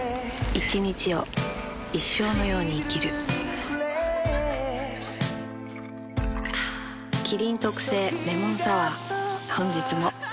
一日を一生のように生きる麒麟特製レモンサワー